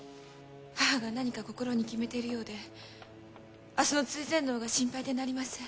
母が何か心に決めているようで明日の追善能が心配でなりません。